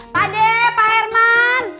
pak de pak herman